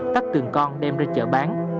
tắt từng con đem ra chợ bán